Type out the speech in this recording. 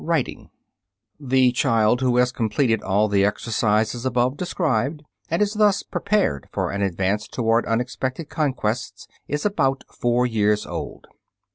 WRITING The child who has completed all the exercises above described, and is thus prepared for an advance towards unexpected conquests, is about four years old.